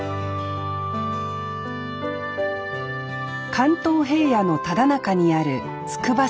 関東平野のただなかにある筑波山。